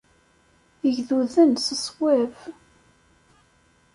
Igduden s ṣṣwab.